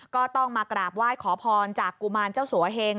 ก็ต้องมากราบไหว้ขอพรจากกุมารเจ้าสัวเฮง